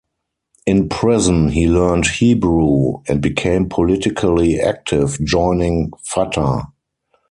In prison, he learned Hebrew, and became politically active, joining Fatah.